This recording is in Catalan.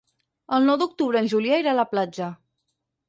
El nou d'octubre en Julià irà a la platja.